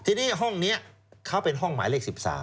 ทีนี้ห้องนี้เขาเป็นห้องหมายเลข๑๓